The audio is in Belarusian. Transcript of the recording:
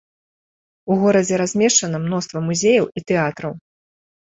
У горадзе размешчана мноства музеяў і тэатраў.